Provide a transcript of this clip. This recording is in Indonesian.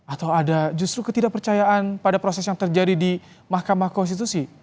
atau ada justru ketidakpercayaan pada proses yang terjadi di mahkamah konstitusi